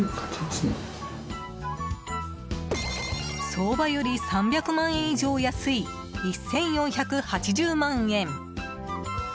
相場より３００万円以上安い１４８０万円。